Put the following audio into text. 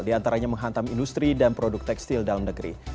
diantaranya menghantam industri dan produk tekstil dalam negeri